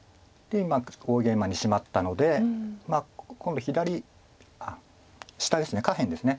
今大ゲイマにシマったので今度左あっ下です下辺です。